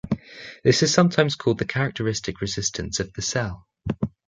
This is sometimes called the 'characteristic resistance' of the cell.